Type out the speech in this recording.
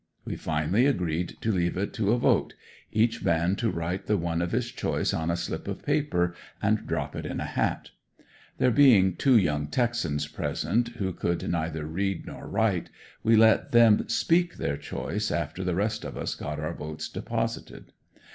We finally agreed to leave it to a vote each man to write the one of his choice on a slip of paper and drop it in a hat. There being two young Texans present who could neither read nor write, we let them speak their choice after the rest of us got our votes deposited.